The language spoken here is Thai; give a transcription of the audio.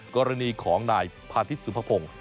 กรณีของพาทิศซูภพงค์